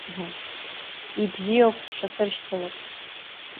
Ибзиоуп, сҽасыршьцылап.